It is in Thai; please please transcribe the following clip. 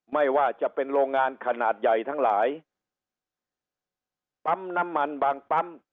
ไม่ว่าจะเป็นโรงงานขนาดใหญ่ทั้งหลายปั๊มน้ำมันบางปั๊ม